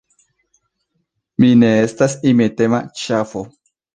Mi ne estas imitema ŝafo.